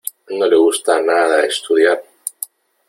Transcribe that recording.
No le gusta nada estudiar.